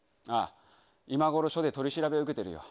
今頃、署で取り調べを受けてるよ。